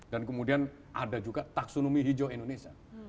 dan kemudian ada juga taksonomi hijau indonesia